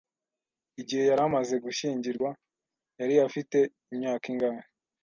Igihe yari amaze gushyingirwa yari afite imyaka ingahe?